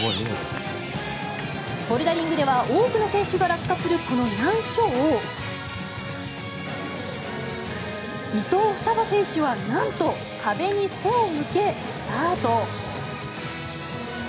ボルダリングでは多くの選手が落下するこの難所を伊藤ふたば選手はなんと、壁に背を向けスタート。